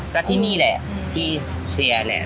ก็ที่นี่แหละที่เชียร์เนี่ย